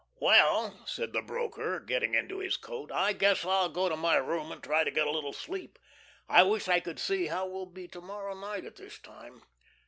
"Well," said the broker, getting into his coat, "I guess I'll go to my room and try to get a little sleep. I wish I could see how we'll be to morrow night at this time."